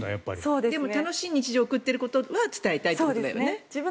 でも楽しい日常を送っていることを伝えたいということだよね。